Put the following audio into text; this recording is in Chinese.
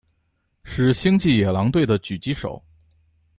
是星际野狼队的狙击手。